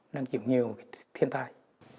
đang chịu nhiều thiên tai